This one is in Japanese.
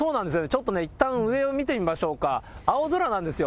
ちょっといったん上を見てみましょうか、青空なんですよ。